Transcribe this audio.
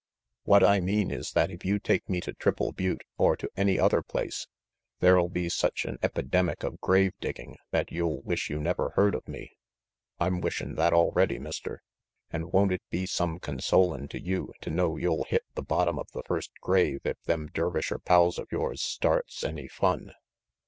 "What I mean is that if you take me to Triple Butte or to any other place, there'll be such an 80 RANGY PETE epidemic of grave digging that you'll wish you never heard of me." "I'm wishin' that already, Mister. An 5 won't it be some consolin' to you to know you'll hit the bottom of the first grave if them Dervisher pals of yours starts any fun?"